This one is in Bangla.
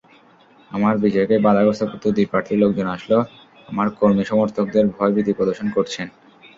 আমার বিজয়কে বাধাগ্রস্ত করতে দুই প্রার্থীর লোকজন আমার কর্মী-সমর্থকদের ভয়ভীতি প্রদর্শন করছেন।